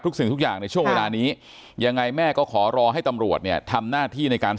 สิ่งทุกอย่างในช่วงเวลานี้ยังไงแม่ก็ขอรอให้ตำรวจเนี่ยทำหน้าที่ในการ